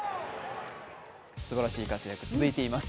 すばらしい活躍、続いています。